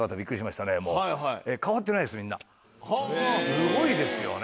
すごいですよね。